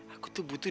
aku tuh butuh duitnya